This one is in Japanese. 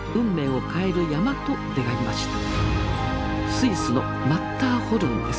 スイスのマッターホルンです。